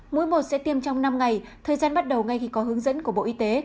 mũi một sẽ tiêm trong năm ngày thời gian bắt đầu ngay khi có hướng dẫn của bộ y tế